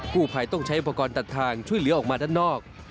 ผู้ภัยต้องใช้อุปกรณ์ตัดทางช่วยเหลือออกมาด้านนอก